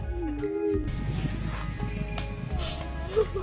วันที่สุดท้ายเกิดขึ้นเกิดขึ้น